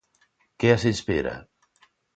Que as inspira?